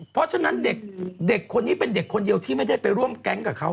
เพราะฉะนั้นเด็กคนนี้เป็นเด็กคนเดียวที่ไม่ได้ไปร่วมแก๊งกับเขา